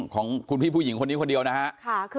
ของคุณพี่ผู้หญิงคนนี้คนเดียวนะฮะ